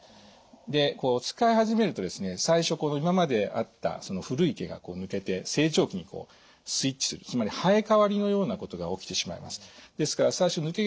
で使い始めるとですね最初今まであった古い毛が抜けて成長期にスイッチするつまり生え替わりのようなことが起きてしまいます。